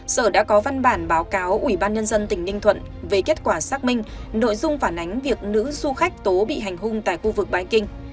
sở đã có văn bản báo cáo ủy ban nhân dân tỉnh ninh thuận về kết quả xác minh nội dung phản ánh việc nữ du khách tố bị hành hung tại khu vực bãi kinh